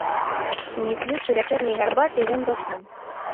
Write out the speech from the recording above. Не п'ючы вячэрняй гарбаты, ён заснуў.